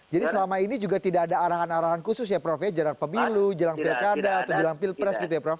jadi selama ini juga tidak ada arahan arahan khusus ya prof ya jelang pemilu jelang pilkada atau jelang pilpres gitu ya prof